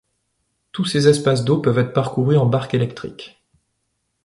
Tous ces espaces d'eau peuvent être parcourus en barques électriques.